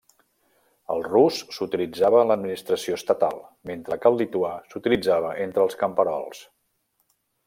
El rus s'utilitzava en l'administració estatal, mentre que el lituà s'utilitzava entre els camperols.